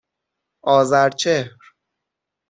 آذرچهر